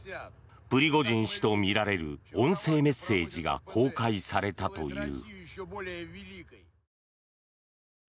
プリゴジン氏とみられる音声メッセージが公開されたという。